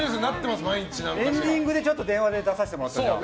エンディングで電話で出させてもらったじゃん。